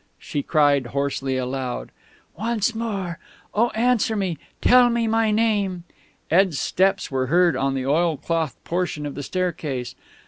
She cried hoarsely aloud. "Once more oh, answer me! Tell me my name!" Ed's steps were heard on the oilclothed portion of the staircase.